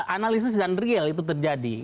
analisis dan real itu terjadi